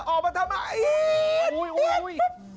ออกมาทำไมอีกสิบ